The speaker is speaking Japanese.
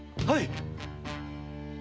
はい。